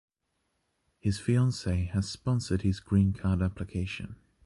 His fiancée had sponsored his green card application.